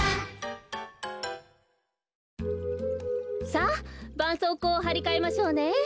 さあばんそうこうをはりかえましょうね。